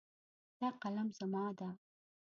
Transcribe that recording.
دا قلم زما ده